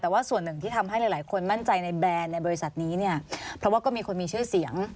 แต่ว่าส่วนหนึ่งที่ทำให้หลายคนมั่นใจในแบรนด์ในบริษัทนี้เนี่ยเพราะว่าก็มีคนมีชื่อเสียง